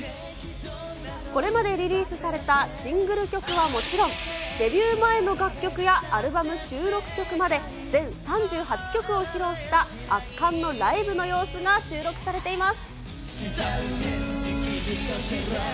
これまでリリースされたシングル曲はもちろん、デビュー前の楽曲やアルバム収録曲まで、全３８曲を披露した圧巻のライブの様子が収録されています。